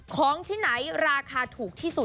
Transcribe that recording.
ของที่ไหนราคาถูกที่สุด